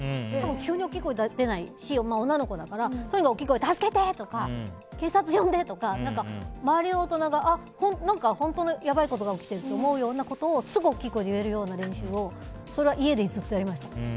急に大きい声は出せないし女の子だからとにかく大きい声で助けて！とか警察呼んで！とか周りの大人がやばいことが起きてると思うようなことをすぐに大きい声で言えるような練習をそれは家でずっとやりました。